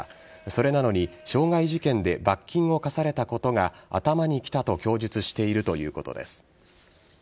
それなのに傷害事件で罰金を科されたことが頭にきたと供述しているということです。